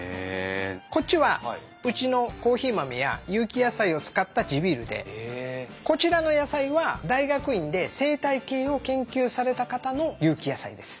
こっちはうちのコーヒー豆や有機野菜を使った地ビールでこちらの野菜は大学院で生態系を研究された方の有機野菜です。